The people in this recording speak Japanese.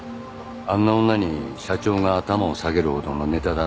あんな女に社長が頭を下げるほどのネタだろ？